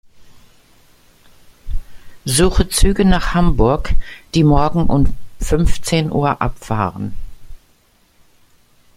Suche Züge nach Hamburg, die morgen um fünfzehn Uhr abfahren.